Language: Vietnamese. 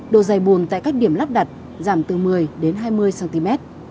độ dày bùn tại các điểm lắp đặt giảm từ một mươi đến hai mươi cm